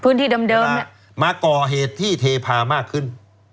พื้นที่เดิมเนี่ยมาก่อเหตุที่เทพามากขึ้น